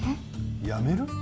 やめる？